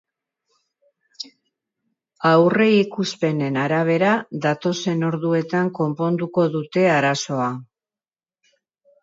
Aurreikuspenen arabera, datozen orduetan konponduko dute arazoa.